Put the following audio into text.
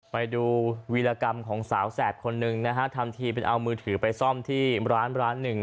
ไปดูวีรกรรมของสาวแสบคนหนึ่งนะฮะทำทีเป็นเอามือถือไปซ่อมที่ร้านร้านหนึ่ง